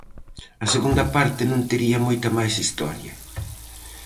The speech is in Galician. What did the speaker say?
A segunda parte non tería moita máis historia.